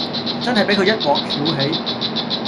真係俾佢一鑊蹺起